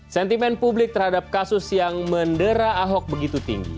sentimen publik terhadap kasus yang mendera ahok begitu tinggi